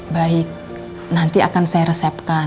baik nanti akan saya resepkan